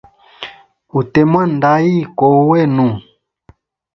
Ute mwanda ayi kowa wenu.